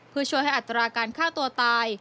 เพื่อช่วยให้อัตราการฆ่าตัวตาย